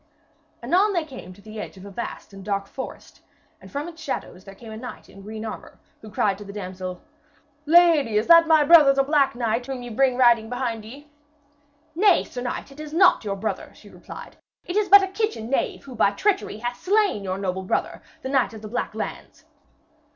Anon they came to the edge of a vast and dark forest, and from its shadows came a knight in green armour, who cried to the damsel: 'Lady, is that my brother the Black Knight whom ye bring riding behind ye?' 'Nay, sir knight, it is not your brother,' she replied. 'It is but a kitchen knave who by treachery hath slain your noble brother, the Knight of the Black Lands.'